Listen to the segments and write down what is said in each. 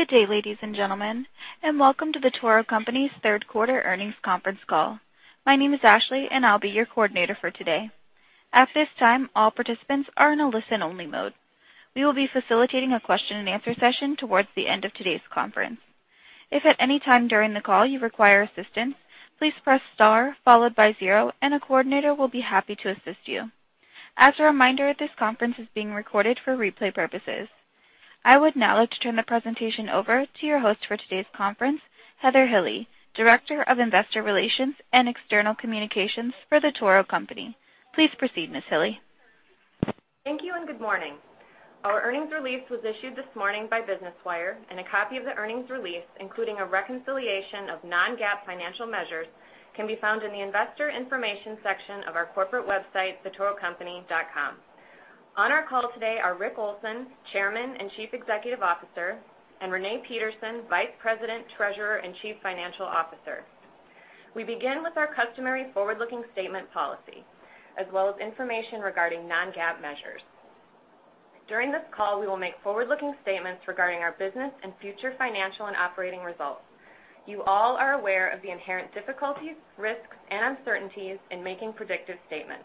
Good day, ladies and gentlemen, and welcome to The Toro Company's third quarter earnings conference call. My name is Ashley, and I'll be your coordinator for today. At this time, all participants are in a listen only mode. We will be facilitating a question and answer session towards the end of today's conference. If at any time during the call you require assistance, please press star followed by zero, and a coordinator will be happy to assist you. As a reminder, this conference is being recorded for replay purposes. I would now like to turn the presentation over to your host for today's conference, Heather Hille, Director of Investor Relations and External Communications for The Toro Company. Please proceed, Ms. Hille. Thank you. Good morning. Our earnings release was issued this morning by Business Wire, and a copy of the earnings release, including a reconciliation of non-GAAP financial measures, can be found in the investor information section of our corporate website, thetorocompany.com. On our call today are Richard Olson, Chairman and Chief Executive Officer, and Renee Peterson, Vice President, Treasurer, and Chief Financial Officer. We begin with our customary forward-looking statement policy, as well as information regarding non-GAAP measures. During this call, we will make forward-looking statements regarding our business and future financial and operating results. You all are aware of the inherent difficulties, risks, and uncertainties in making predictive statements.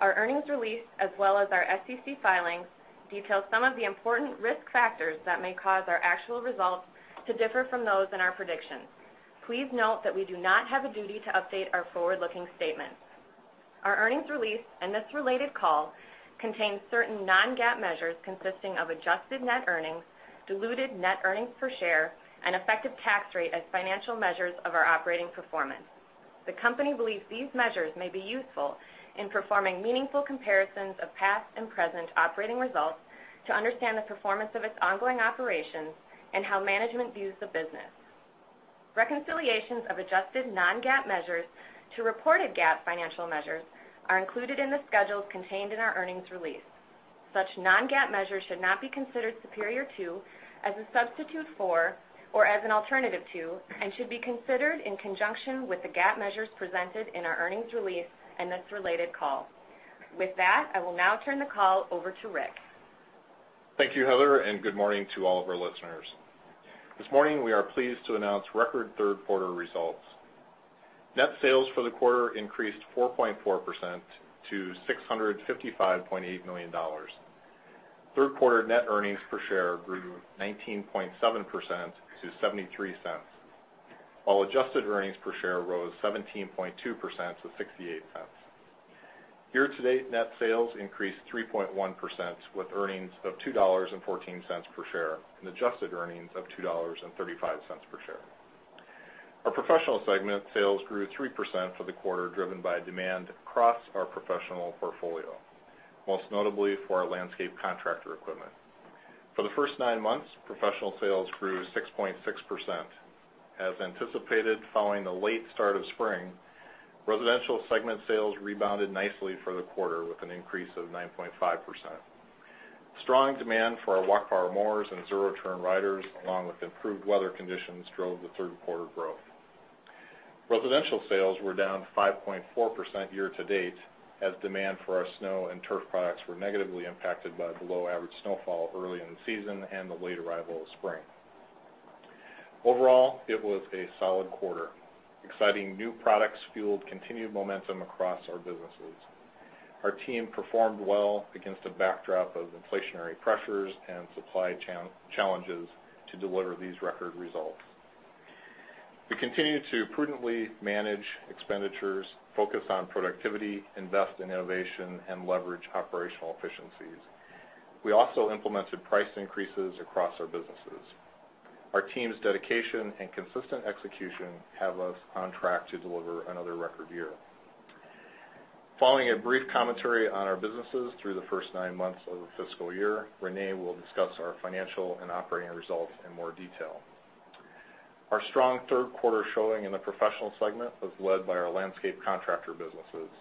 Our earnings release, as well as our SEC filings, detail some of the important risk factors that may cause our actual results to differ from those in our predictions. Please note that we do not have a duty to update our forward-looking statements. Our earnings release and this related call contain certain non-GAAP measures consisting of adjusted net earnings, diluted net earnings per share, and effective tax rate as financial measures of our operating performance. The company believes these measures may be useful in performing meaningful comparisons of past and present operating results to understand the performance of its ongoing operations and how management views the business. Reconciliations of adjusted non-GAAP measures to reported GAAP financial measures are included in the schedules contained in our earnings release. Such non-GAAP measures should not be considered superior to, as a substitute for, or as an alternative to, and should be considered in conjunction with the GAAP measures presented in our earnings release and this related call. With that, I will now turn the call over to Rick. Thank you, Heather. Good morning to all of our listeners. This morning, we are pleased to announce record third quarter results. Net sales for the quarter increased 4.4% to $655.8 million. Third quarter net earnings per share grew 19.7% to $0.73, while adjusted earnings per share rose 17.2% to $0.68. Year to date net sales increased 3.1%, with earnings of $2.14 per share and adjusted earnings of $2.35 per share. Our Professional Segment sales grew 3% for the quarter, driven by demand across our professional portfolio, most notably for our landscape contractor equipment. For the first nine months, Professional Segment sales grew 6.6%. As anticipated following the late start of spring, Residential Segment sales rebounded nicely for the quarter with an increase of 9.5%. Strong demand for our walk power mowers and zero turn riders, along with improved weather conditions, drove the third quarter growth. Residential sales were down 5.4% year-to-date as demand for our snow and turf products were negatively impacted by below average snowfall early in the season and the late arrival of spring. Overall, it was a solid quarter. Exciting new products fueled continued momentum across our businesses. Our team performed well against a backdrop of inflationary pressures and supply challenges to deliver these record results. We continue to prudently manage expenditures, focus on productivity, invest in innovation, and leverage operational efficiencies. We also implemented price increases across our businesses. Our team's dedication and consistent execution have us on track to deliver another record year. Following a brief commentary on our businesses through the first nine months of the fiscal year, Renee will discuss our financial and operating results in more detail. Our strong third quarter showing in the professional segment was led by our landscape contractor businesses.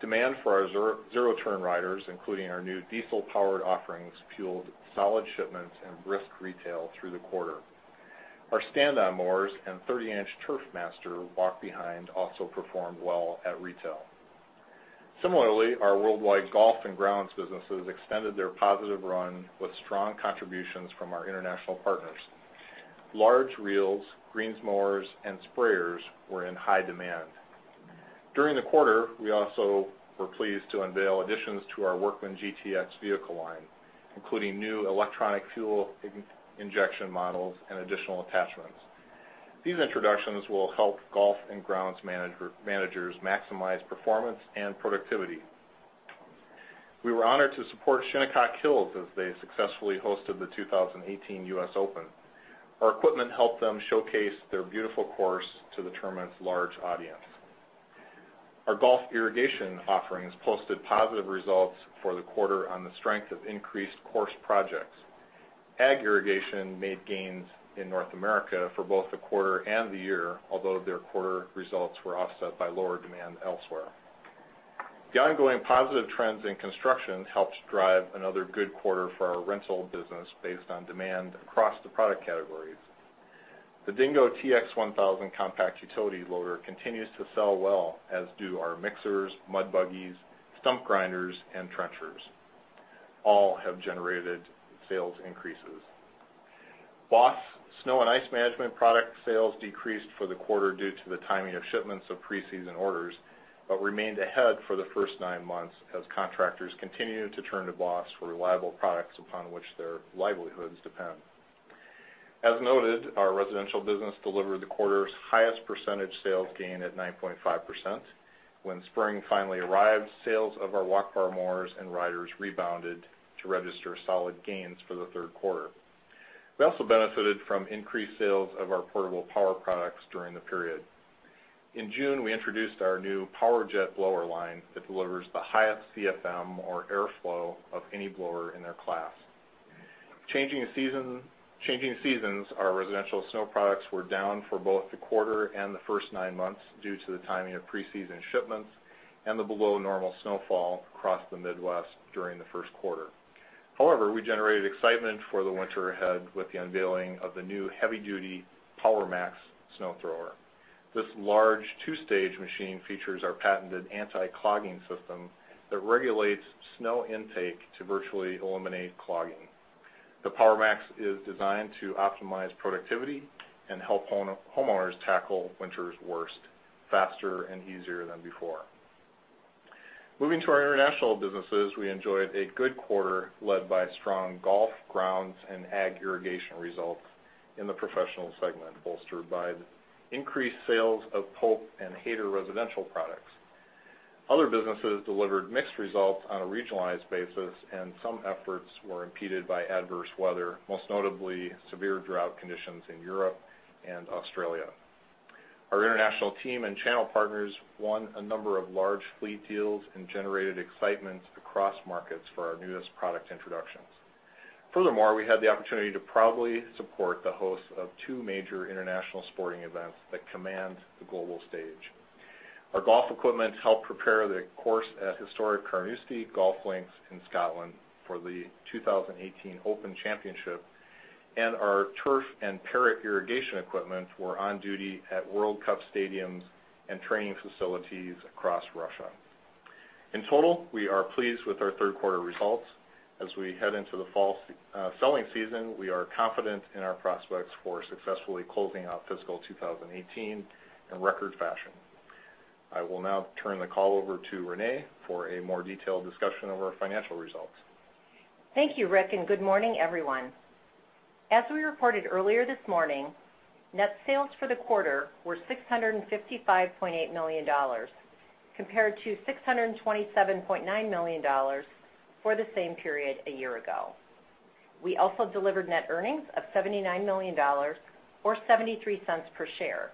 Demand for our zero-turn riders, including our new diesel-powered offerings, fueled solid shipments and brisk retail through the quarter. Our stand-on mowers and 30-inch TurfMaster walk-behind also performed well at retail. Similarly, our worldwide golf and grounds businesses extended their positive run with strong contributions from our international partners. Large reels, greens mowers, and sprayers were in high demand. During the quarter, we also were pleased to unveil additions to our Workman GTX vehicle line, including new electronic fuel injection models and additional attachments. These introductions will help golf and grounds managers maximize performance and productivity. We were honored to support Shinnecock Hills as they successfully hosted the 2018 US Open. Our equipment helped them showcase their beautiful course to the tournament's large audience. Our golf irrigation offerings posted positive results for the quarter on the strength of increased course projects. Ag irrigation made gains in North America for both the quarter and the year, although their quarter results were offset by lower demand elsewhere. The ongoing positive trends in construction helped drive another good quarter for our rental business based on demand across the product categories. The Dingo TX 1000 compact utility loader continues to sell well, as do our mixers, mud buggies, stump grinders, and trenchers. All have generated sales increases. BOSS snow and ice management product sales decreased for the quarter due to the timing of shipments of pre-season orders, but remained ahead for the first nine months as contractors continued to turn to BOSS for reliable products upon which their livelihoods depend. As noted, our residential business delivered the quarter's highest percentage sales gain at 9.5%. When spring finally arrived, sales of our walk power mowers and riders rebounded to register solid gains for the third quarter. We also benefited from increased sales of our portable power products during the period. In June, we introduced our new PowerJet blower line that delivers the highest CFM or airflow of any blower in their class. Changing seasons, our residential snow products were down for both the quarter and the first nine months due to the timing of pre-season shipments and the below normal snowfall across the Midwest during the first quarter. However, we generated excitement for the winter ahead with the unveiling of the new heavy-duty Power Max snow thrower. This large 2-stage machine features our patented anti-clogging system that regulates snow intake to virtually eliminate clogging. The Power Max is designed to optimize productivity and help homeowners tackle winter's worst faster and easier than before. Moving to our international businesses, we enjoyed a good quarter led by strong golf, grounds, and ag irrigation results in the professional segment, bolstered by increased sales of Pope and Hayter residential products. Other businesses delivered mixed results on a regionalized basis, and some efforts were impeded by adverse weather, most notably severe drought conditions in Europe and Australia. Our international team and channel partners won a number of large fleet deals and generated excitement across markets for our newest product introductions. Furthermore, we had the opportunity to proudly support the host of two major international sporting events that command the global stage. Our golf equipment helped prepare the course at historic Carnoustie Golf Links in Scotland for the 2018 Open Championship, and our turf and Perrot irrigation equipment were on duty at World Cup stadiums and training facilities across Russia. In total, we are pleased with our third quarter results. As we head into the fall selling season, we are confident in our prospects for successfully closing out fiscal 2018 in record fashion. I will now turn the call over to Renee for a more detailed discussion of our financial results. Thank you, Rick. Good morning, everyone. As we reported earlier this morning, net sales for the quarter were $655.8 million compared to $627.9 million for the same period a year ago. We also delivered net earnings of $79 million, or $0.73 per share,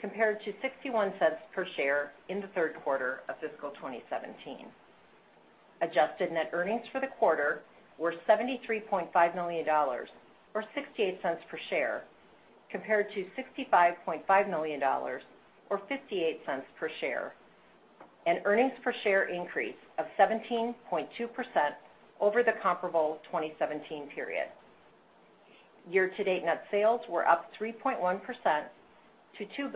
compared to $0.61 per share in the third quarter of fiscal 2017. Adjusted net earnings for the quarter were $73.5 million, or $0.68 per share, compared to $65.5 million or $0.58 per share. An earnings per share increase of 17.2% over the comparable 2017 period. Year-to-date net sales were up 3.1% to $2.079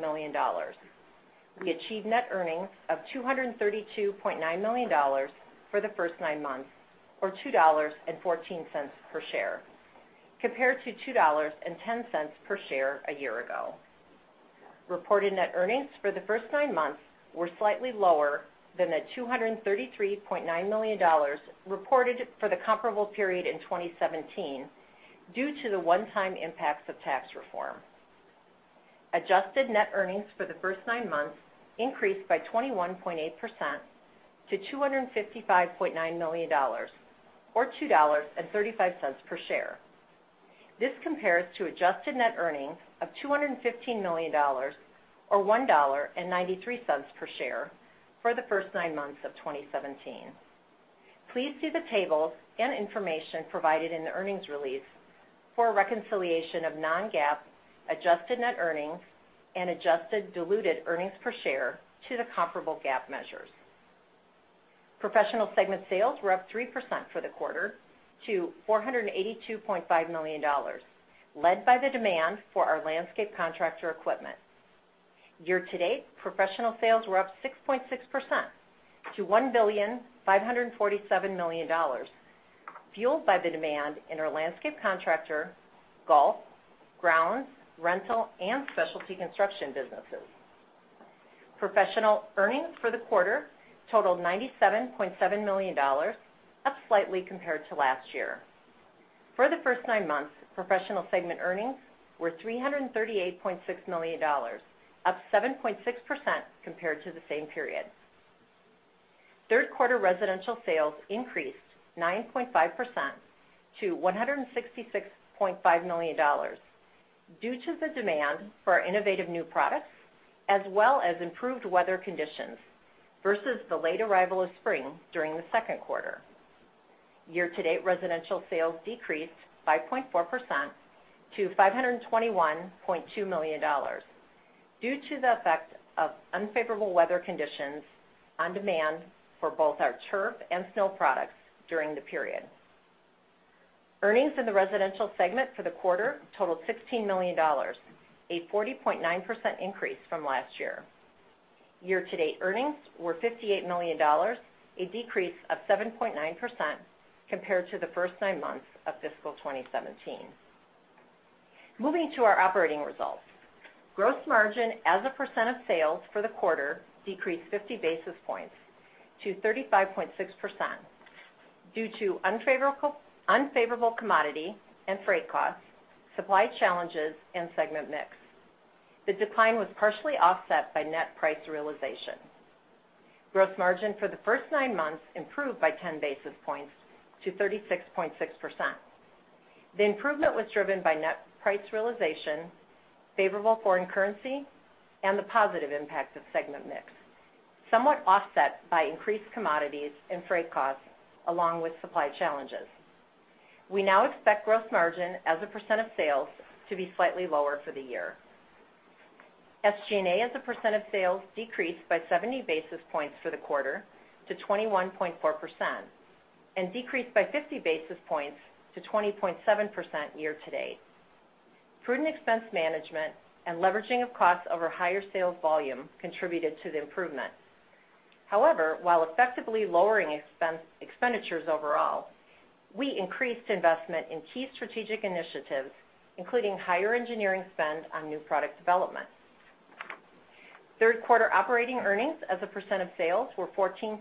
billion. We achieved net earnings of $232.9 million for the first nine months, or $2.14 per share, compared to $2.10 per share a year ago. Reported net earnings for the first nine months were slightly lower than the $233.9 million reported for the comparable period in 2017 due to the one-time impacts of tax reform. Adjusted net earnings for the first nine months increased by 21.8% to $255.9 million, or $2.35 per share. This compares to adjusted net earnings of $215 million, or $1.93 per share, for the first nine months of 2017. Please see the tables and information provided in the earnings release for a reconciliation of non-GAAP adjusted net earnings and adjusted diluted earnings per share to the comparable GAAP measures. Professional segment sales were up 3% for the quarter to $482.5 million, led by the demand for our landscape contractor equipment. Year-to-date, professional sales were up 6.6% to $1.547 billion, fueled by the demand in our landscape contractor, golf, grounds, rental, and specialty construction businesses. Professional earnings for the quarter totaled $97.7 million, up slightly compared to last year. For the first nine months, professional segment earnings were $338.6 million, up 7.6% compared to the same period. Third quarter residential sales increased 9.5% to $166.5 million due to the demand for our innovative new products, as well as improved weather conditions versus the late arrival of spring during the second quarter. Year-to-date residential sales decreased 5.4% to $521.2 million due to the effect of unfavorable weather conditions on demand for both our turf and snow products during the period. Earnings in the residential segment for the quarter totaled $16 million, a 40.9% increase from last year. Year-to-date earnings were $58 million, a decrease of 7.9% compared to the first nine months of fiscal 2017. Moving to our operating results. Gross margin as a percent of sales for the quarter decreased 50 basis points to 35.6% due to unfavorable commodity and freight costs, supply challenges, and segment mix. The decline was partially offset by net price realization. Gross margin for the first nine months improved by 10 basis points to 36.6%. The improvement was driven by net price realization, favorable foreign currency, and the positive impact of segment mix, somewhat offset by increased commodities and freight costs along with supply challenges. We now expect gross margin as a percent of sales to be slightly lower for the year. SG&A as a percent of sales decreased by 70 basis points for the quarter to 21.4% and decreased by 50 basis points to 20.7% year-to-date. Prudent expense management and leveraging of costs over higher sales volume contributed to the improvement. While effectively lowering expenditures overall, we increased investment in key strategic initiatives, including higher engineering spend on new product development. Third quarter operating earnings as a percent of sales were 14.2%,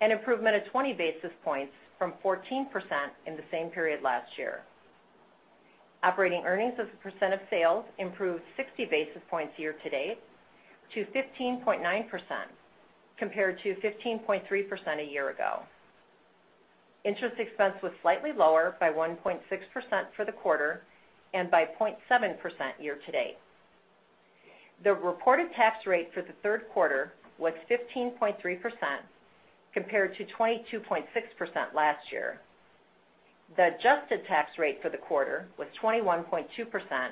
an improvement of 20 basis points from 14% in the same period last year. Operating earnings as a percent of sales improved 60 basis points year-to-date to 15.9%, compared to 15.3% a year ago. Interest expense was slightly lower by 1.6% for the quarter and by 0.7% year-to-date. The reported tax rate for the third quarter was 15.3%, compared to 22.6% last year. The adjusted tax rate for the quarter was 21.2%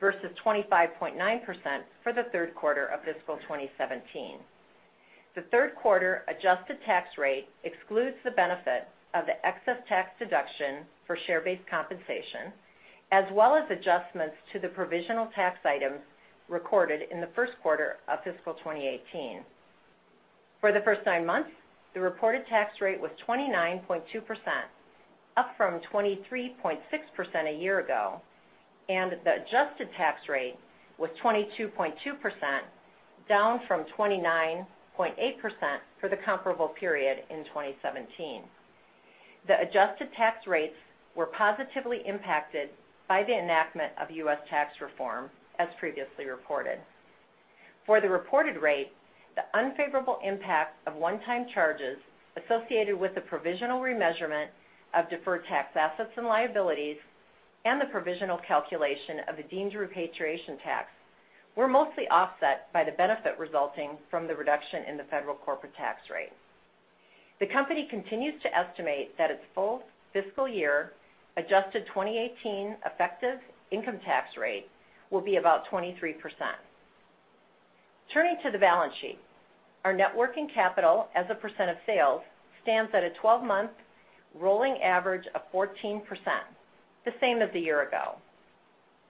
versus 25.9% for the third quarter of fiscal 2017. The third quarter adjusted tax rate excludes the benefit of the excess tax deduction for share-based compensation, as well as adjustments to the provisional tax items recorded in the first quarter of fiscal 2018. For the first nine months, the reported tax rate was 29.2%, up from 23.6% a year ago, and the adjusted tax rate was 22.2%, down from 29.8% for the comparable period in 2017. The adjusted tax rates were positively impacted by the enactment of U.S. tax reform, as previously reported. For the reported rate, the unfavorable impact of one-time charges associated with the provisional remeasurement of deferred tax assets and liabilities and the provisional calculation of a deemed repatriation tax were mostly offset by the benefit resulting from the reduction in the federal corporate tax rate. The company continues to estimate that its full fiscal year adjusted 2018 effective income tax rate will be about 23%. Turning to the balance sheet. Our net working capital as a percent of sales stands at a 12-month rolling average of 14%, the same as a year ago.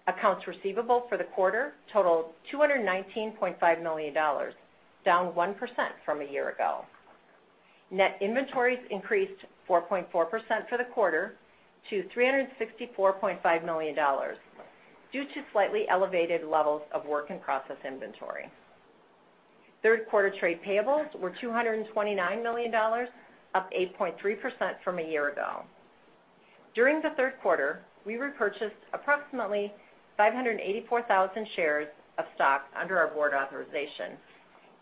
Accounts receivable for the quarter totaled $219.5 million, down 1% from a year ago. Net inventories increased 4.4% for the quarter to $364.5 million due to slightly elevated levels of work in process inventory. Third quarter trade payables were $229 million, up 8.3% from a year ago. During the third quarter, we repurchased approximately 584,000 shares of stock under our board authorization,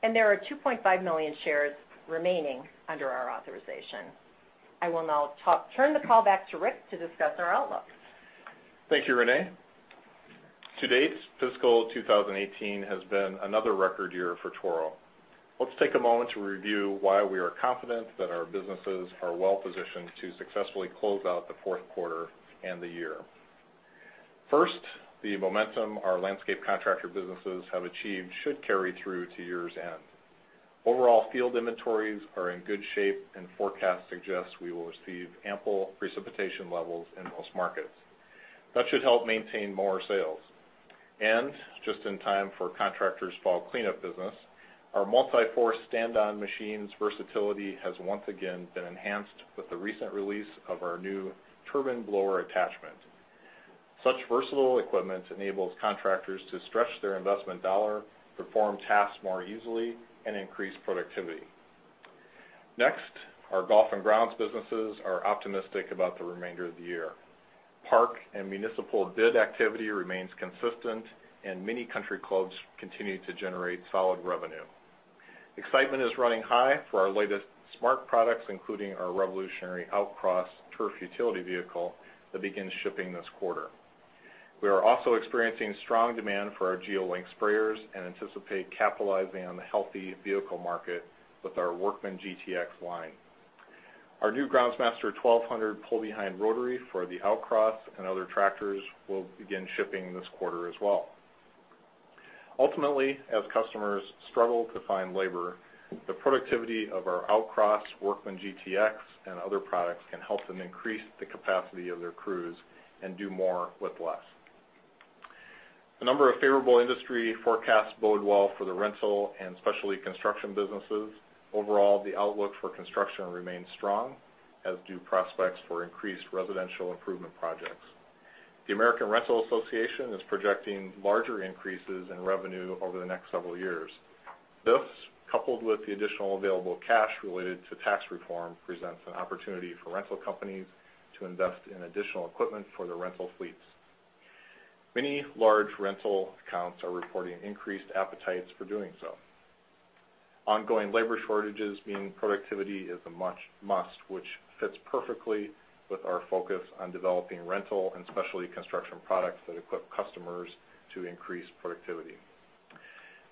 and there are 2.5 million shares remaining under our authorization. I will now turn the call back to Rick to discuss our outlook. Thank you, Renee. To date, fiscal 2018 has been another record year for Toro. Let's take a moment to review why we are confident that our businesses are well positioned to successfully close out the fourth quarter and the year. First, the momentum our landscape contractor businesses have achieved should carry through to year's end. Overall field inventories are in good shape, and forecasts suggest we will receive ample precipitation levels in most markets. That should help maintain mower sales. Just in time for contractors' fall cleanup business, our Multi-Force stand-on machine's versatility has once again been enhanced with the recent release of our new turbine blower attachment. Such versatile equipment enables contractors to stretch their investment dollar, perform tasks more easily, and increase productivity. Next, our golf and grounds businesses are optimistic about the remainder of the year. Park and municipal bid activity remains consistent, many country clubs continue to generate solid revenue. Excitement is running high for our latest smart products, including our revolutionary Outcross turf utility vehicle that begins shipping this quarter. We are also experiencing strong demand for our GeoLink sprayers and anticipate capitalizing on the healthy vehicle market with our Workman GTX line. Our new Groundsmaster 1200 pull-behind rotary for the Outcross and other tractors will begin shipping this quarter as well. Ultimately, as customers struggle to find labor, the productivity of our Outcross, Workman GTX, and other products can help them increase the capacity of their crews and do more with less. A number of favorable industry forecasts bode well for the rental and specialty construction businesses. Overall, the outlook for construction remains strong, as do prospects for increased residential improvement projects. The American Rental Association is projecting larger increases in revenue over the next several years. This, coupled with the additional available cash related to tax reform, presents an opportunity for rental companies to invest in additional equipment for their rental fleets. Many large rental accounts are reporting increased appetites for doing so. Ongoing labor shortages mean productivity is a must, which fits perfectly with our focus on developing rental and specialty construction products that equip customers to increase productivity.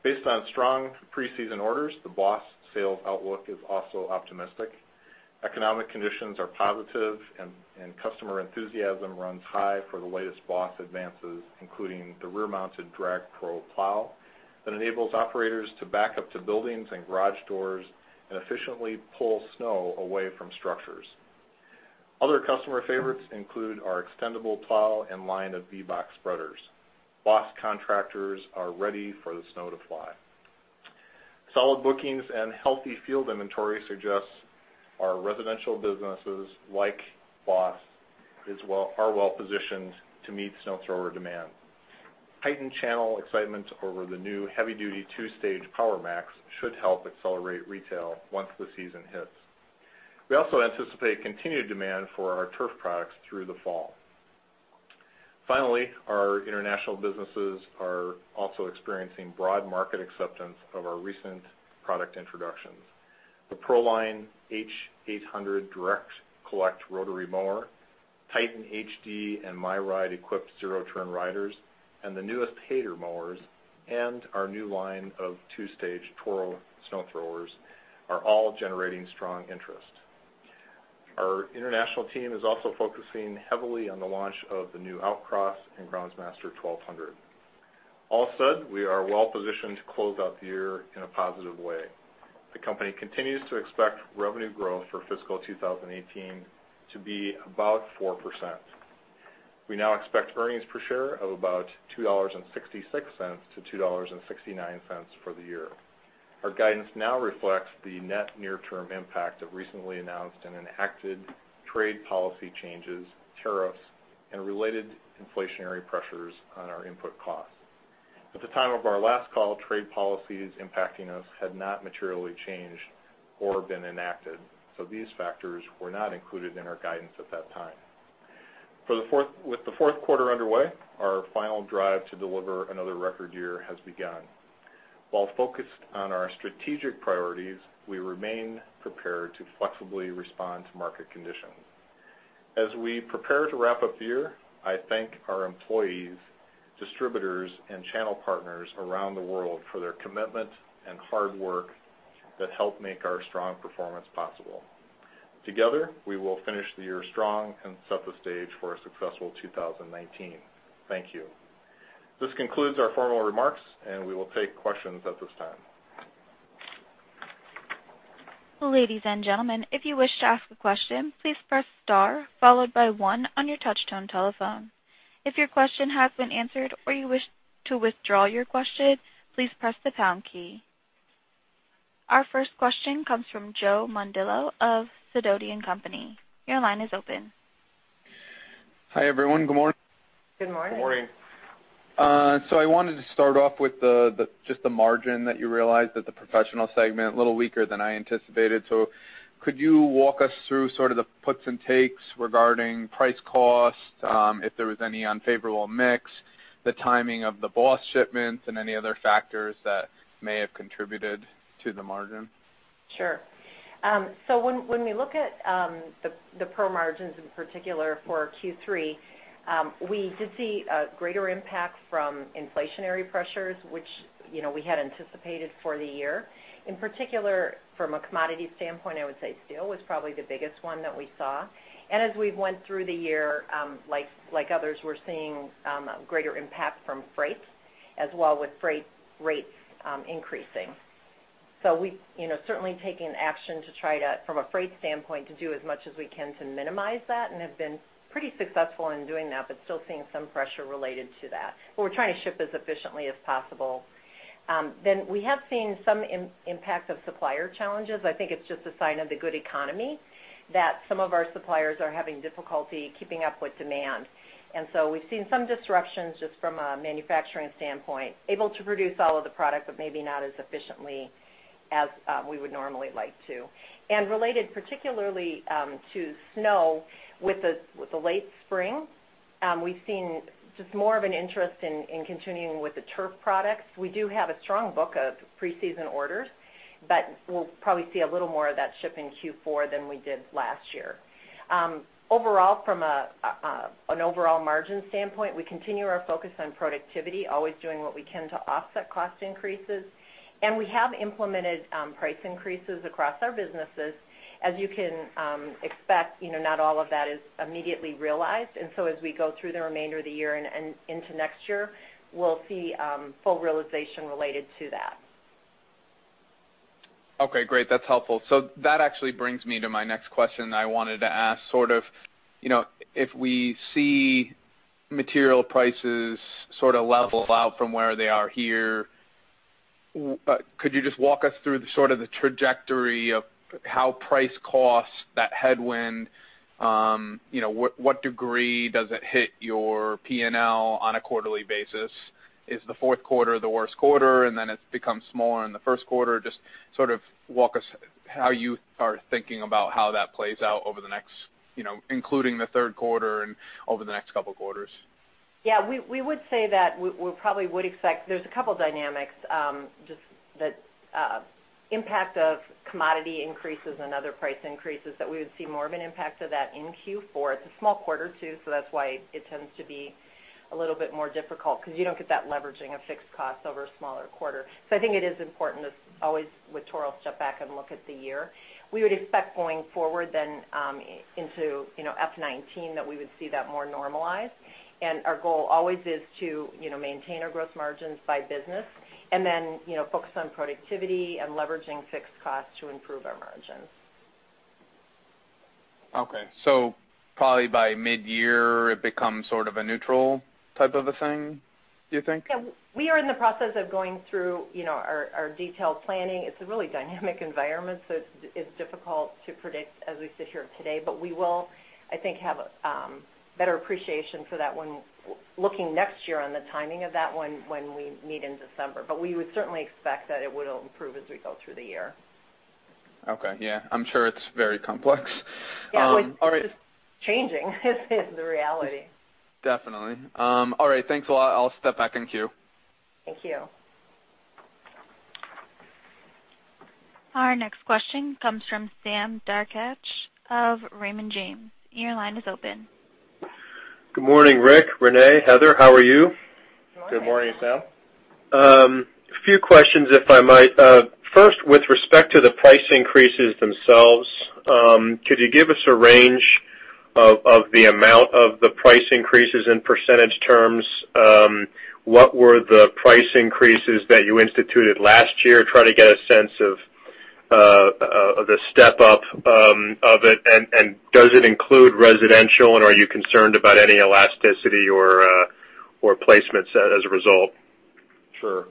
Based on strong pre-season orders, the BOSS sales outlook is also optimistic. Economic conditions are positive, customer enthusiasm runs high for the latest BOSS advances, including the rear-mounted Drag Pro plow that enables operators to back up to buildings and garage doors and efficiently pull snow away from structures. Other customer favorites include our extendable plow and line of V-box spreaders. BOSS contractors are ready for the snow to fly. Solid bookings and healthy field inventory suggests our residential businesses, like BOSS, are well-positioned to meet snow thrower demand. Heightened channel excitement over the new heavy-duty two-stage Power Max should help accelerate retail once the season hits. We also anticipate continued demand for our turf products through the fall. Finally, our international businesses are also experiencing broad market acceptance of our recent product introductions. The ProLine H800 direct-collect rotary mower, TITAN HD and MyRIDE-equipped zero-turn riders, and the newest Hayter mowers, and our new line of two-stage Toro snow throwers are all generating strong interest. Our international team is also focusing heavily on the launch of the new Outcross and Groundsmaster 1200. All said, we are well-positioned to close out the year in a positive way. The company continues to expect revenue growth for fiscal 2018 to be about 4%. We now expect earnings per share of about $2.66-$2.69 for the year. Our guidance now reflects the net near-term impact of recently announced and enacted trade policy changes, tariffs, and related inflationary pressures on our input costs. At the time of our last call, trade policies impacting us had not materially changed or been enacted, so these factors were not included in our guidance at that time. With the fourth quarter underway, our final drive to deliver another record year has begun. While focused on our strategic priorities, we remain prepared to flexibly respond to market conditions. As we prepare to wrap up the year, I thank our employees, distributors, and channel partners around the world for their commitment and hard work that help make our strong performance possible. Together, we will finish the year strong and set the stage for a successful 2019. Thank you. This concludes our formal remarks. We will take questions at this time. Ladies and gentlemen, if you wish to ask a question, please press star followed by one on your touch-tone telephone. If your question has been answered or you wish to withdraw your question, please press the pound key. Our first question comes from Joseph Mondillo of Sidoti & Company. Your line is open. Hi, everyone. Good morning. Good morning. Good morning. I wanted to start off with just the margin that you realized at the professional segment, a little weaker than I anticipated. Could you walk us through sort of the puts and takes regarding price cost, if there was any unfavorable mix, the timing of the BOSS shipments, and any other factors that may have contributed to the margin? Sure. When we look at the pro margins in particular for Q3, we did see a greater impact from inflationary pressures, which we had anticipated for the year. In particular, from a commodity standpoint, I would say steel was probably the biggest one that we saw. As we went through the year, like others, we're seeing a greater impact from freight as well, with freight rates increasing. We're certainly taking action to try to, from a freight standpoint, do as much as we can to minimize that and have been pretty successful in doing that, but still seeing some pressure related to that. We're trying to ship as efficiently as possible. We have seen some impact of supplier challenges. I think it's just a sign of the good economy that some of our suppliers are having difficulty keeping up with demand. We've seen some disruptions just from a manufacturing standpoint, able to produce all of the product, but maybe not as efficiently as we would normally like to. Related particularly to snow, with the late spring, we've seen just more of an interest in continuing with the turf products. We do have a strong book of pre-season orders, but we'll probably see a little more of that ship in Q4 than we did last year. From an overall margin standpoint, we continue our focus on productivity, always doing what we can to offset cost increases. We have implemented price increases across our businesses. As you can expect, not all of that is immediately realized. As we go through the remainder of the year and into next year, we'll see full realization related to that. Okay, great. That's helpful. That actually brings me to my next question that I wanted to ask. If we see material prices level out from where they are here, could you just walk us through the trajectory of how price costs, that headwind, what degree does it hit your P&L on a quarterly basis? Is the fourth quarter the worst quarter, and then it becomes smaller in the first quarter? Just walk us how you are thinking about how that plays out including the third quarter and over the next couple of quarters. Yeah. We would say that we probably would expect. There's a couple of dynamics, just the impact of commodity increases and other price increases, that we would see more of an impact of that in Q4. It's a small quarter too, that's why it tends to be a little bit more difficult, because you don't get that leveraging of fixed costs over a smaller quarter. I think it is important to always, with Toro, step back and look at the year. We would expect going forward into F19 that we would see that more normalized, our goal always is to maintain our growth margins by business and then focus on productivity and leveraging fixed costs to improve our margins. Okay. Probably by mid-year, it becomes sort of a neutral type of a thing, do you think? Yeah. We are in the process of going through our detailed planning. It's a really dynamic environment, so it's difficult to predict as we sit here today. We will, I think, have a better appreciation for that when looking next year on the timing of that one when we meet in December. We would certainly expect that it will improve as we go through the year. Okay. Yeah. I'm sure it's very complex. All right. Yeah. It's changing, is the reality. Definitely. All right. Thanks a lot. I'll step back in queue. Thank you. Our next question comes from Sam Darkatsh of Raymond James. Your line is open. Good morning, Rick, Renee, Heather. How are you? Good morning. Good morning, Sam. With respect to the price increases themselves, could you give us a range of the amount of the price increases in percentage terms? What were the price increases that you instituted last year? Try to get a sense of the step-up of it. Does it include residential, and are you concerned about any elasticity or placements as a result? Sure.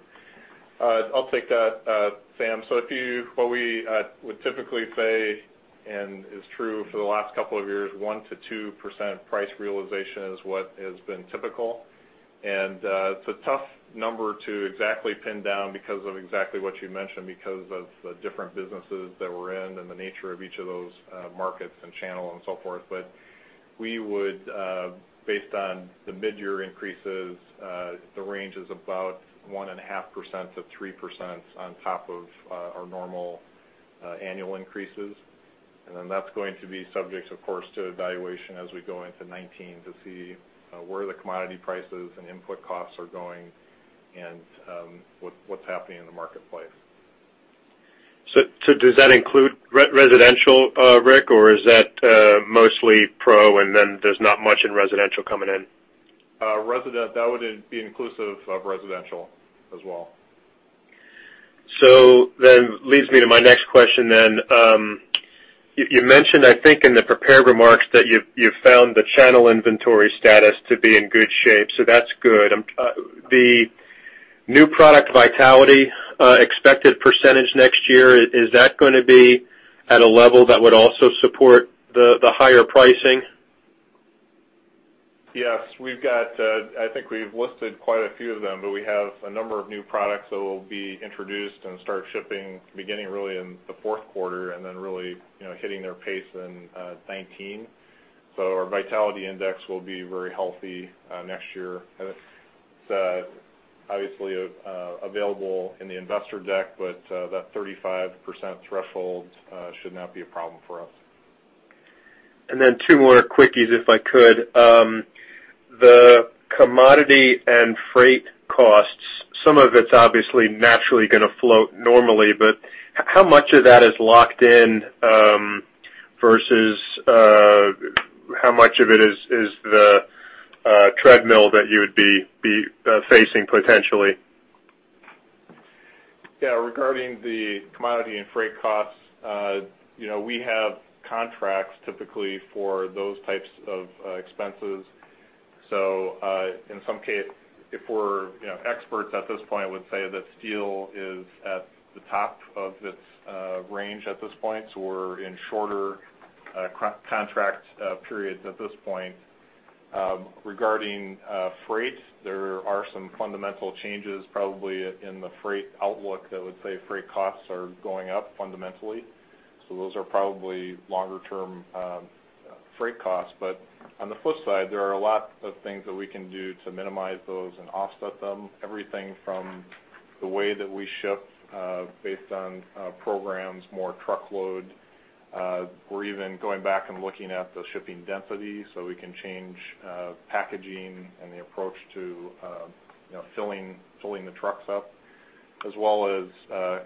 I'll take that, Sam. What we would typically say, and is true for the last couple of years, 1%-2% price realization is what has been typical. It's a tough number to exactly pin down because of exactly what you mentioned, because of the different businesses that we're in and the nature of each of those markets and channel and so forth. Based on the mid-year increases, the range is about 1.5%-3% on top of our normal annual increases. That's going to be subject, of course, to evaluation as we go into 2019 to see where the commodity prices and input costs are going and what's happening in the marketplace. Does that include residential, Rick, or is that mostly pro, and then there's not much in residential coming in? That would be inclusive of residential as well. Leads me to my next question then. You mentioned, I think, in the prepared remarks that you found the channel inventory status to be in good shape, so that's good. The new product vitality expected % next year, is that going to be at a level that would also support the higher pricing? Yes. I think we've listed quite a few of them, but we have a number of new products that will be introduced and start shipping beginning really in the fourth quarter and then really hitting their pace in 2019. Our vitality index will be very healthy next year. It's obviously available in the investor deck, but that 35% threshold should not be a problem for us. Two more quickies, if I could. The commodity and freight costs, some of it's obviously naturally going to float normally, but how much of that is locked in, versus how much of it is the treadmill that you would be facing potentially? Yeah. Regarding the commodity and freight costs, we have contracts typically for those types of expenses. If we're experts at this point, I would say that steel is at the top of its range at this point, we're in shorter contract periods at this point. Regarding freight, there are some fundamental changes probably in the freight outlook that would say freight costs are going up fundamentally. Those are probably longer-term freight costs. On the flip side, there are a lot of things that we can do to minimize those and offset them. Everything from the way that we ship based on programs, more truckload, or even going back and looking at the shipping density so we can change packaging and the approach to filling the trucks up, as well as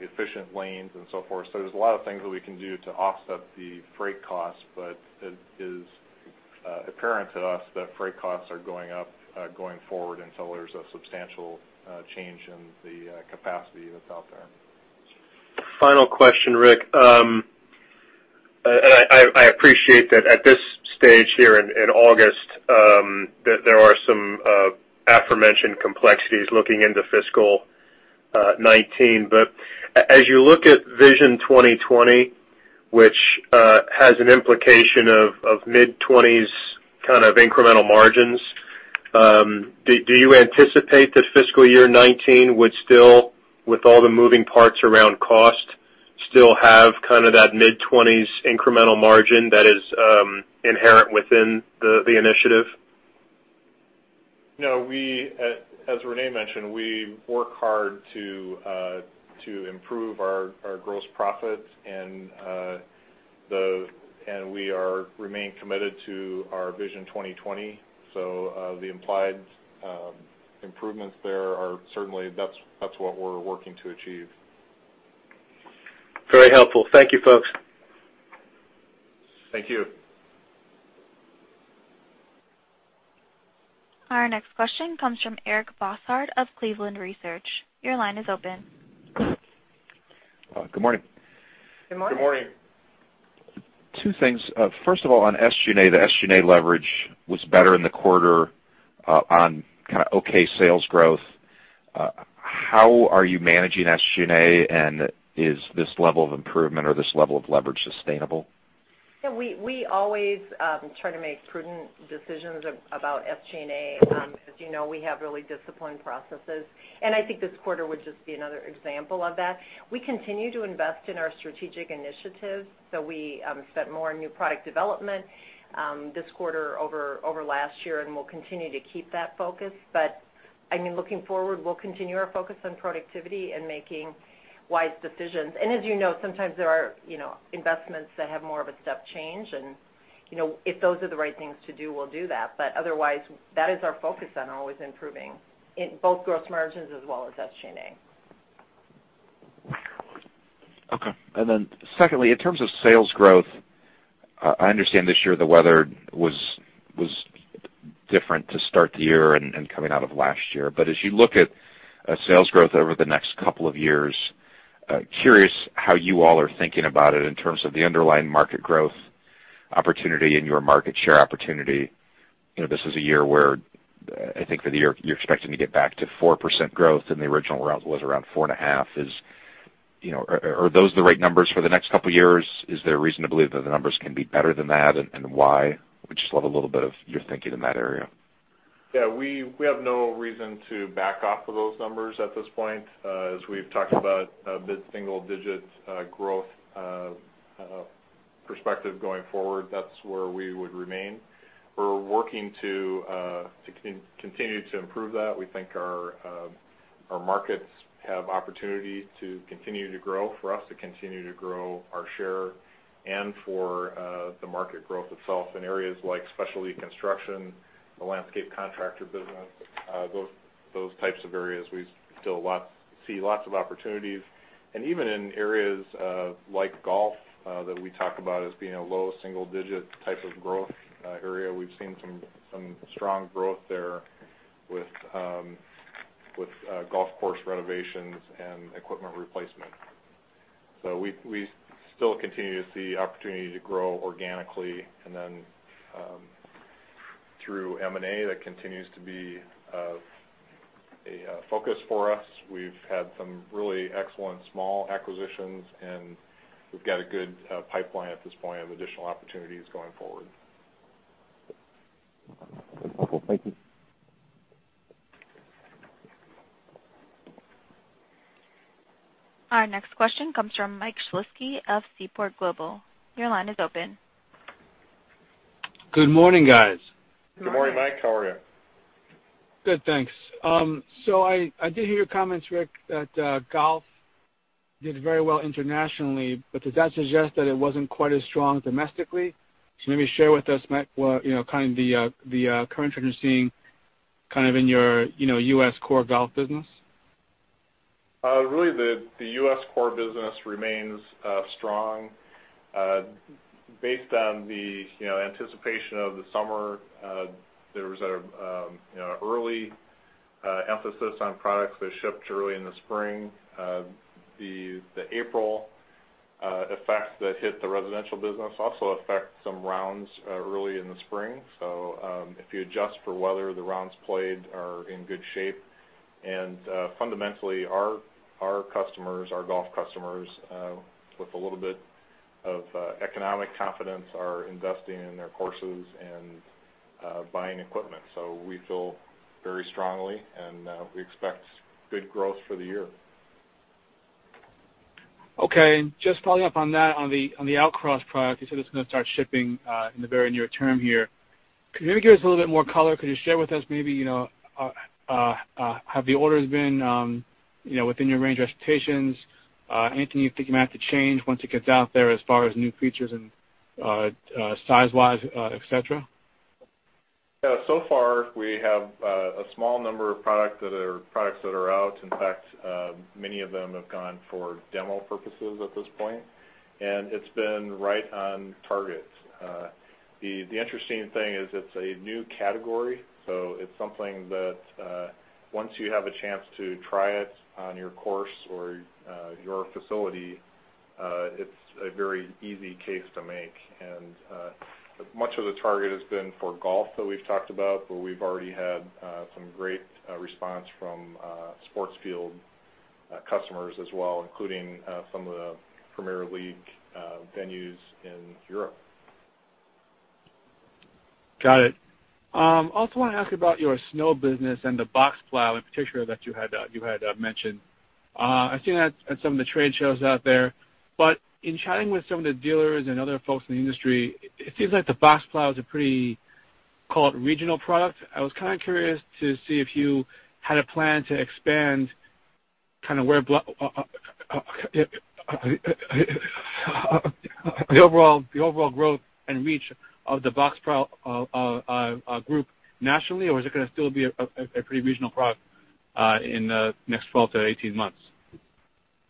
efficient lanes and so forth. There's a lot of things that we can do to offset the freight costs, it is apparent to us that freight costs are going up going forward until there's a substantial change in the capacity that's out there. Final question, Rick. I appreciate that at this stage here in August, that there are some aforementioned complexities looking into fiscal 2019. As you look at Vision 2020, which has an implication of mid-20s kind of incremental margins, do you anticipate that fiscal year 2019 would still, with all the moving parts around cost, still have kind of that mid-20s incremental margin that is inherent within the initiative? No. As Renee mentioned, we work hard to improve our gross profit, and we remain committed to our Vision 2020. The implied improvements there are certainly, that's what we're working to achieve. Very helpful. Thank you, folks. Thank you. Our next question comes from Eric Bosshard of Cleveland Research. Your line is open. Good morning. Good morning. Good morning. Two things. First of all, on SG&A, the SG&A leverage was better in the quarter on kind of okay sales growth. How are you managing SG&A, and is this level of improvement or this level of leverage sustainable? We always try to make prudent decisions about SG&A. As you know, we have really disciplined processes. I think this quarter would just be another example of that. We continue to invest in our strategic initiatives. We spent more on new product development this quarter over last year, and we'll continue to keep that focus. Looking forward, we'll continue our focus on productivity and making wise decisions. As you know, sometimes there are investments that have more of a step change, and if those are the right things to do, we'll do that. Otherwise, that is our focus then, always improving in both gross margins as well as SG&A. Then secondly, in terms of sales growth, I understand this year the weather was different to start the year and coming out of last year. As you look at sales growth over the next couple of years, curious how you all are thinking about it in terms of the underlying market growth opportunity and your market share opportunity. This is a year where I think for the year, you're expecting to get back to 4% growth, and the original was around four and a half. Are those the right numbers for the next couple of years? Is there a reason to believe that the numbers can be better than that, and why? I would just love a little bit of your thinking in that area. We have no reason to back off of those numbers at this point. As we've talked about mid-single-digit growth perspective going forward, that's where we would remain. We're working to continue to improve that. We think our markets have opportunity to continue to grow, for us to continue to grow our share and for the market growth itself in areas like specialty construction, the landscape contractor business, those types of areas, we still see lots of opportunities. Even in areas like golf, that we talk about as being a low-single-digit type of growth area, we've seen some strong growth there with golf course renovations and equipment replacement. We still continue to see opportunity to grow organically and then through M&A, that continues to be a focus for us. We've had some really excellent small acquisitions. We've got a good pipeline at this point of additional opportunities going forward. Okay, thank you. Our next question comes from Michael Shlisky of Seaport Global. Your line is open. Good morning, guys. Good morning. Good morning, Mike. How are you? Good, thanks. I did hear your comments, Rick, that golf did very well internationally, but does that suggest that it wasn't quite as strong domestically? Maybe share with us, Mike, kind of the current trends you're seeing kind of in your U.S. core golf business. Really, the U.S. core business remains strong. Based on the anticipation of the summer, there was an early emphasis on products that shipped early in the spring. The April effects that hit the residential business also affect some rounds early in the spring. If you adjust for weather, the rounds played are in good shape. Fundamentally, our golf customers, with a little bit of economic confidence, are investing in their courses and buying equipment. We feel very strongly, and we expect good growth for the year. Okay, just following up on that, on the Outcross product, you said it's going to start shipping in the very near term here. Can you maybe give us a little bit more color? Could you share with us maybe, have the orders been within your range expectations? Anything you think you might have to change once it gets out there as far as new features and size-wise, et cetera? So far, we have a small number of products that are out. In fact, many of them have gone for demo purposes at this point, it's been right on target. The interesting thing is it's a new category, so it's something that, once you have a chance to try it on your course or your facility, it's a very easy case to make. Much of the target has been for golf, that we've talked about, but we've already had some great response from sports field customers as well, including some of the Premier League venues in Europe. Got it. Also want to ask about your snow business and the box plow in particular that you had mentioned. I've seen that at some of the trade shows out there, but in chatting with some of the dealers and other folks in the industry, it seems like the box plow is a pretty, call it, regional product. I was kind of curious to see if you had a plan to expand kind of the overall growth and reach of the box plow group nationally, or is it going to still be a pretty regional product in the next 12-18 months?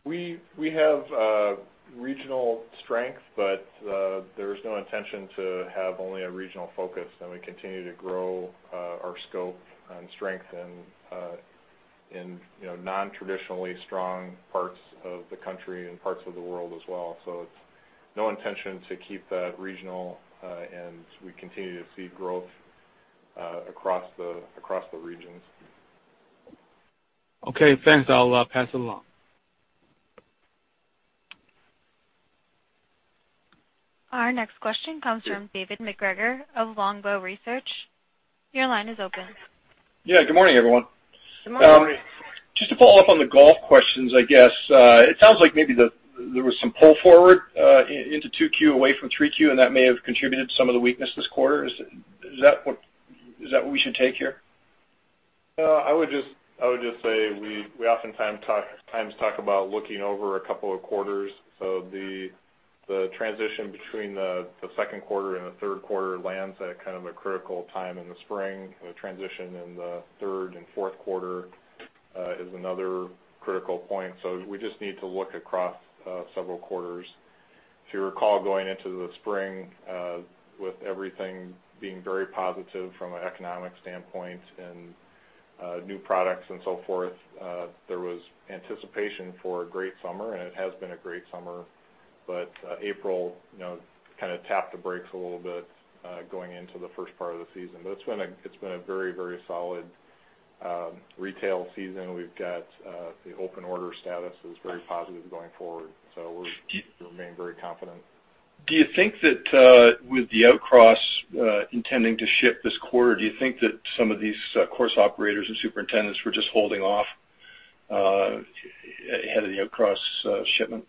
We have regional strength, there's no intention to have only a regional focus. We continue to grow our scope and strength in non-traditionally strong parts of the country and parts of the world as well. It's no intention to keep that regional, we continue to see growth across the regions. Okay, thanks. I'll pass it along. Our next question comes from David MacGregor of Longbow Research. Your line is open. Yeah. Good morning, everyone. Good morning. Just to follow up on the golf questions, I guess. It sounds like maybe there was some pull forward into 2Q away from 3Q, and that may have contributed to some of the weakness this quarter. Is that what we should take here? I would just say we oftentimes talk about looking over a couple of quarters. The transition between the second quarter and the third quarter lands at kind of a critical time in the spring. The transition in the third and fourth quarter is another critical point. We just need to look across several quarters. If you recall, going into the spring, with everything being very positive from an economic standpoint and new products and so forth, there was anticipation for a great summer, and it has been a great summer. April kind of tapped the brakes a little bit, going into the first part of the season. It's been a very solid retail season. We've got the open order status is very positive going forward. We remain very confident. Do you think that with the Outcross intending to ship this quarter, do you think that some of these course operators and superintendents were just holding off ahead of the Outcross shipment?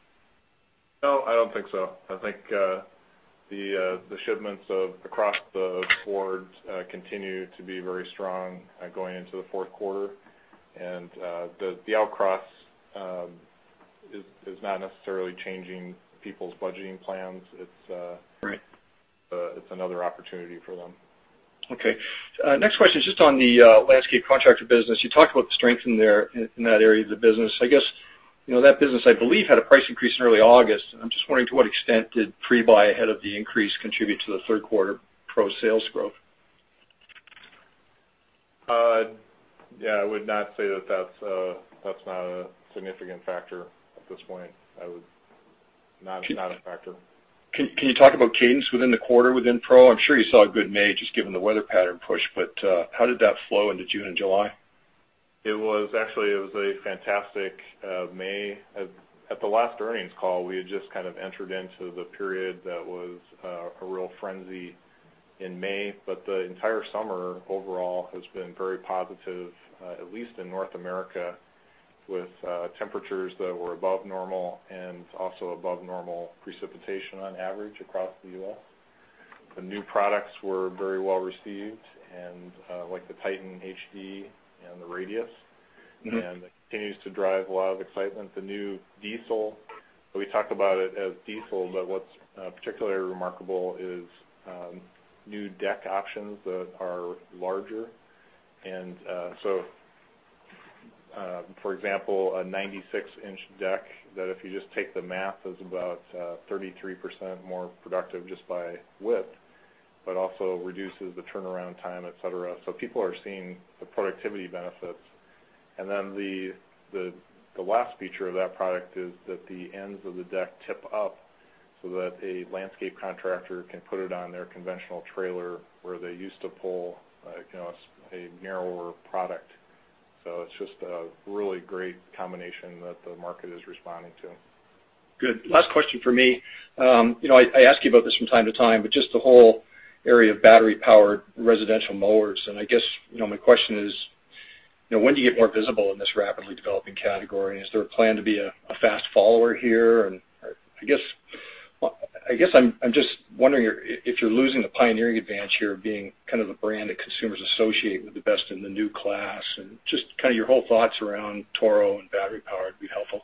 No, I don't think so. I think the shipments of the Outcross continue to be very strong going into the fourth quarter. The Outcross is not necessarily changing people's budgeting plans. Right. It's another opportunity for them. Okay. Next question is just on the landscape contractor business. You talked about the strength in that area of the business. I guess, that business, I believe, had a price increase in early August. I'm just wondering, to what extent did pre-buy ahead of the increase contribute to the third quarter pro sales growth? Yeah, I would not say that's not a significant factor at this point. Not a factor. Can you talk about cadence within the quarter within pro? I'm sure you saw a good May, just given the weather pattern push, but how did that flow into June and July? It was actually a fantastic May. At the last earnings call, we had just kind of entered into the period that was a real frenzy in May. The entire summer overall has been very positive, at least in North America, with temperatures that were above normal and also above normal precipitation on average across the U.S. The new products were very well received, like the TITAN HD and the Radius. It continues to drive a lot of excitement. The new diesel, we talk about it as diesel, but what's particularly remarkable is new deck options that are larger. For example, a 96-inch deck that if you just take the math, is about 33% more productive just by width, but also reduces the turnaround time, et cetera. People are seeing the productivity benefits. The last feature of that product is that the ends of the deck tip up so that a landscape contractor can put it on their conventional trailer where they used to pull a narrower product. It's just a really great combination that the market is responding to. Good. Last question from me. I ask you about this from time to time, but just the whole area of battery-powered residential mowers. I guess my question is, when do you get more visible in this rapidly developing category? Is there a plan to be a fast follower here? I guess I'm just wondering if you're losing the pioneering advantage here of being kind of the brand that consumers associate with the best in the new class, and just kind of your whole thoughts around Toro and battery-powered would be helpful.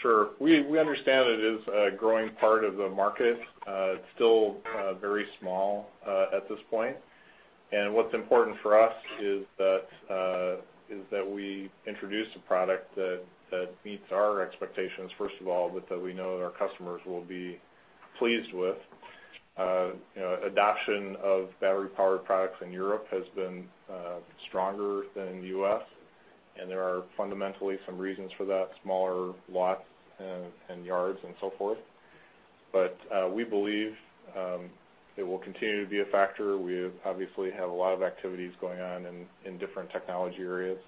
Sure. We understand it is a growing part of the market. It's still very small at this point. What's important for us is that we introduce a product that meets our expectations, first of all, but that we know that our customers will be pleased with. Adoption of battery-powered products in Europe has been stronger than U.S., there are fundamentally some reasons for that, smaller lots and yards and so forth. We believe it will continue to be a factor. We obviously have a lot of activities going on in different technology areas.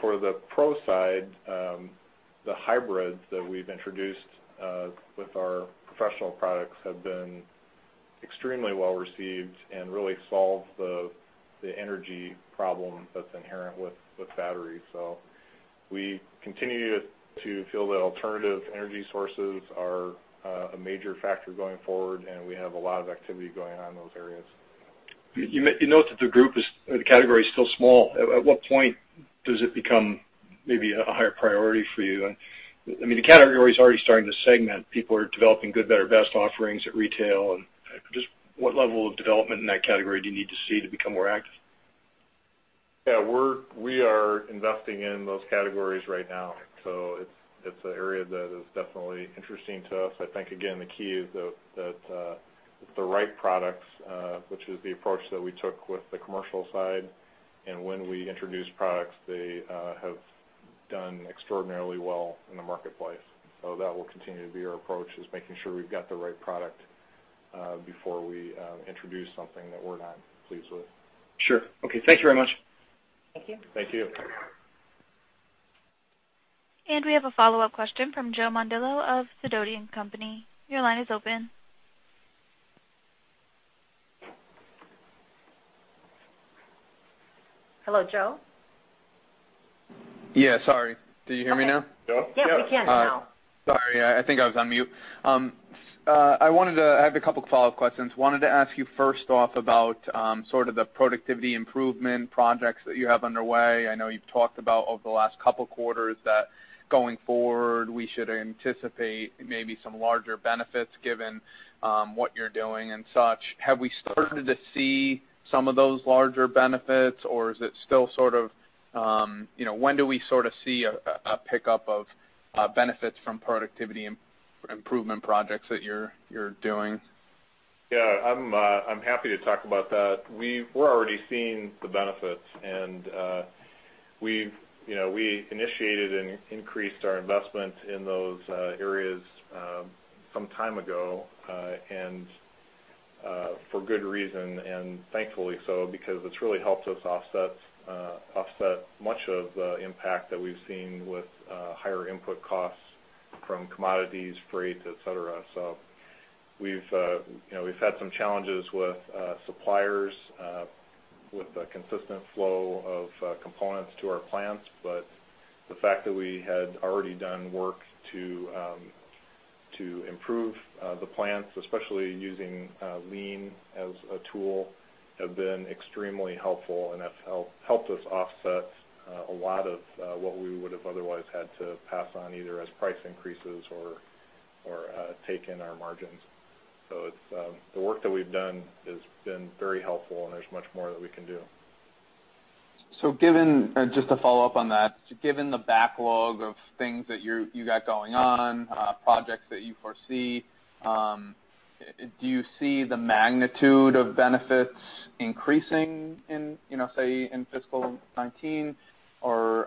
For the pro side, the hybrids that we've introduced with our professional products have been extremely well-received and really solve the energy problem that's inherent with batteries. We continue to feel that alternative energy sources are a major factor going forward, we have a lot of activity going on in those areas. You note that the category is still small. At what point does it become maybe a higher priority for you? I mean, the category is already starting to segment. People are developing good, better, best offerings at retail, and just what level of development in that category do you need to see to become more active? Yeah, we are investing in those categories right now. It's an area that is definitely interesting to us. I think, again, the key is that it's the right products, which is the approach that we took with the commercial side. When we introduce products, they have done extraordinarily well in the marketplace. That will continue to be our approach, is making sure we've got the right product, before we introduce something that we're not pleased with. Sure. Okay. Thank you very much. Thank you. Thank you. We have a follow-up question from Joseph Mondillo of Sidoti & Company. Your line is open. Hello, Joe? Yeah, sorry. Do you hear me now? Okay. Joe? Yeah, we can now. Sorry, I think I was on mute. I have a two follow-up questions. Wanted to ask you first off about sort of the productivity improvement projects that you have underway. I know you've talked about over the last two quarters that going forward, we should anticipate maybe some larger benefits given what you're doing and such. Have we started to see some of those larger benefits, or is it still When do we sort of see a pick-up of benefits from productivity improvement projects that you're doing? Yeah, I'm happy to talk about that. We're already seeing the benefits. We initiated and increased our investment in those areas some time ago, for good reason, and thankfully so. It's really helped us offset much of the impact that we've seen with higher input costs from commodities, freights, et cetera. We've had some challenges with suppliers, with the consistent flow of components to our plants, but the fact that we had already done work to improve the plants, especially using Lean as a tool, have been extremely helpful and have helped us offset a lot of what we would have otherwise had to pass on either as price increases or take in our margins. The work that we've done has been very helpful, and there's much more that we can do. Just to follow up on that, given the backlog of things that you got going on, projects that you foresee, do you see the magnitude of benefits increasing in, say, in fiscal '19, or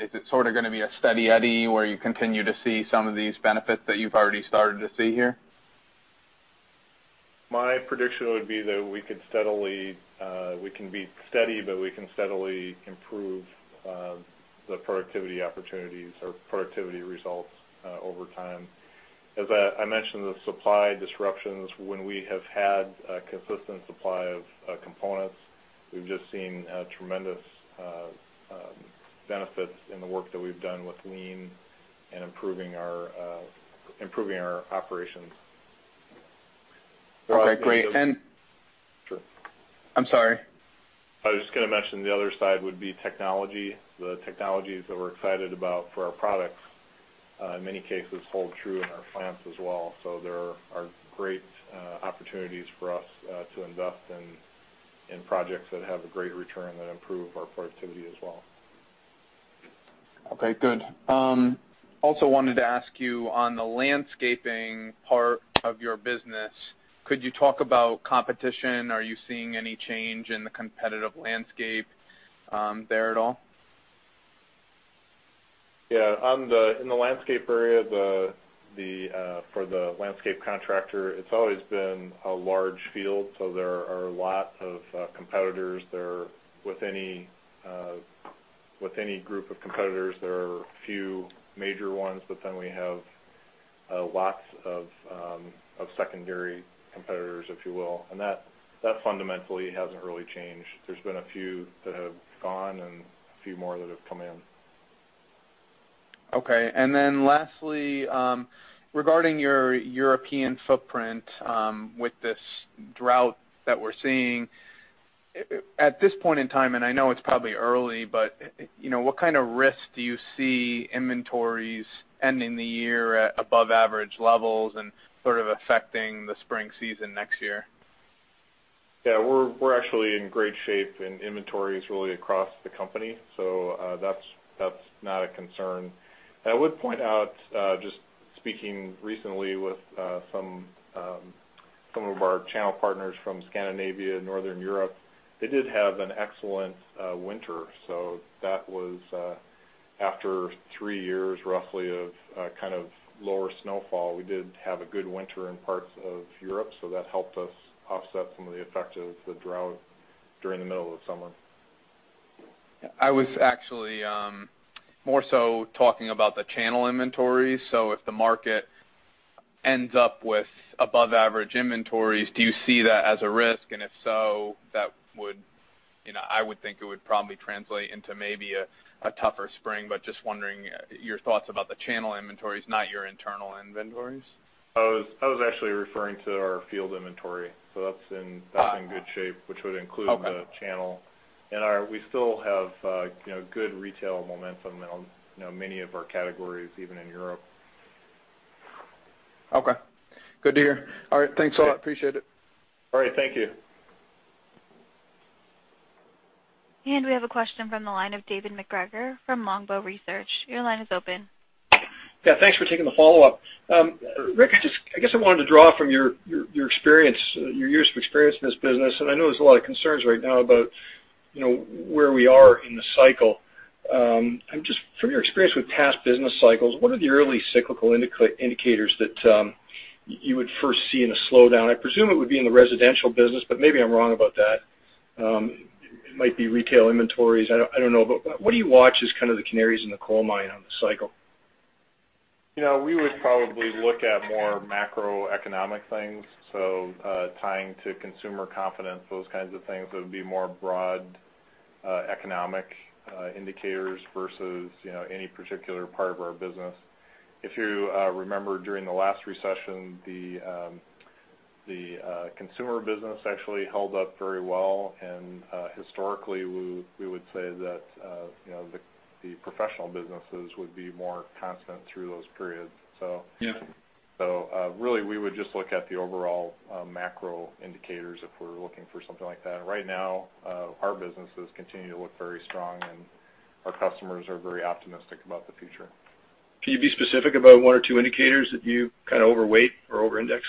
is it sort of gonna be a steady eddy where you continue to see some of these benefits that you've already started to see here? My prediction would be that we can be steady, but we can steadily improve the productivity opportunities or productivity results over time. As I mentioned, the supply disruptions, when we have had a consistent supply of components, we've just seen tremendous benefits in the work that we've done with Lean and improving our operations. Okay, great. Go ahead. I'm sorry. I was just going to mention the other side would be technology. The technologies that we're excited about for our products, in many cases, hold true in our plants as well. There are great opportunities for us to invest in projects that have a great return that improve our productivity as well. Okay, good. Also wanted to ask you on the landscaping part of your business, could you talk about competition? Are you seeing any change in the competitive landscape there at all? Yeah. In the landscape area, for the landscape contractor, it's always been a large field, there are lots of competitors. With any group of competitors, there are a few major ones, we have lots of secondary competitors, if you will. That fundamentally hasn't really changed. There's been a few that have gone and a few more that have come in. Okay. Lastly, regarding your European footprint, with this drought that we're seeing at this point in time, I know it's probably early, what kind of risk do you see inventories ending the year at above average levels and sort of affecting the spring season next year? Yeah. We're actually in great shape in inventories really across the company, that's not a concern. I would point out, just speaking recently with some of our channel partners from Scandinavia, Northern Europe, they did have an excellent winter. That was after three years, roughly, of kind of lower snowfall. We did have a good winter in parts of Europe, so that helped us offset some of the effect of the drought during the middle of summer. I was actually more so talking about the channel inventories. If the market ends up with above average inventories, do you see that as a risk? If so, I would think it would probably translate into maybe a tougher spring. Just wondering your thoughts about the channel inventories, not your internal inventories. I was actually referring to our field inventory. That's in good shape, which would include the channel. Okay. We still have good retail momentum in many of our categories, even in Europe. Okay. Good to hear. All right. Thanks a lot. Appreciate it. All right. Thank you. We have a question from the line of David MacGregor from Longbow Research. Your line is open. Yeah. Thanks for taking the follow-up. Rick, I guess I wanted to draw from your years of experience in this business, and I know there's a lot of concerns right now about where we are in the cycle. From your experience with past business cycles, what are the early cyclical indicators that you would first see in a slowdown? I presume it would be in the residential business, but maybe I'm wrong about that. It might be retail inventories, I don't know. What do you watch as kind of the canaries in the coal mine on the cycle? We would probably look at more macroeconomic things, tying to consumer confidence, those kinds of things that would be more broad economic indicators versus any particular part of our business. If you remember during the last recession, the consumer business actually held up very well, and historically, we would say that the professional businesses would be more constant through those periods. Yeah. Really, we would just look at the overall macro indicators if we're looking for something like that. Right now, our businesses continue to look very strong, and our customers are very optimistic about the future. Can you be specific about one or two indicators that you kind of overweight or over-index?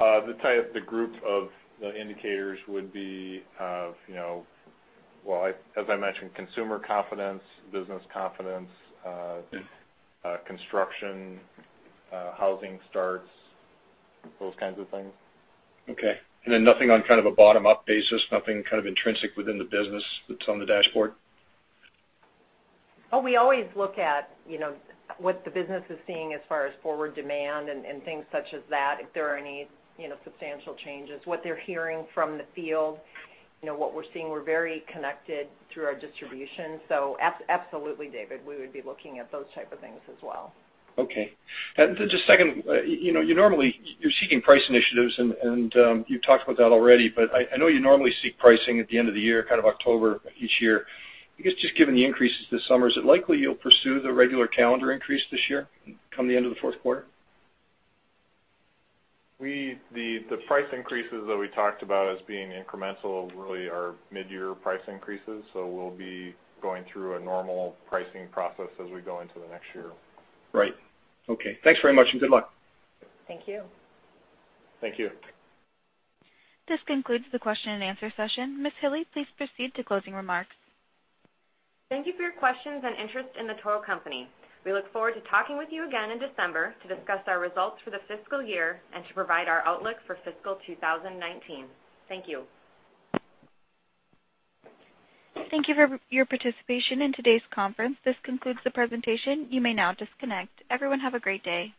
The group of indicators would be, as I mentioned, consumer confidence, business confidence. construction, housing starts, those kinds of things. Okay. Nothing on a bottom-up basis, nothing intrinsic within the business that's on the dashboard? We always look at what the business is seeing as far as forward demand and things such as that, if there are any substantial changes, what they're hearing from the field, what we're seeing. We're very connected through our distribution. Absolutely, David, we would be looking at those type of things as well. Okay. Just second, you're seeking price initiatives, and you've talked about that already, but I know you normally seek pricing at the end of the year, October each year. I guess just given the increases this summer, is it likely you'll pursue the regular calendar increase this year come the end of the fourth quarter? The price increases that we talked about as being incremental really are mid-year price increases, so we'll be going through a normal pricing process as we go into the next year. Right. Okay. Thanks very much, and good luck. Thank you. Thank you. This concludes the question and answer session. Ms. Hille, please proceed to closing remarks. Thank you for your questions and interest in The Toro Company. We look forward to talking with you again in December to discuss our results for the fiscal year and to provide our outlook for fiscal 2019. Thank you. Thank you for your participation in today's conference. This concludes the presentation. You may now disconnect. Everyone, have a great day.